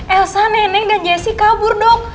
elsa neneng dan jessi kabur dok